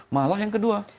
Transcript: malah yang kedua